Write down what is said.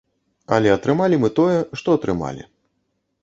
Але атрымалі мы тое, што атрымалі.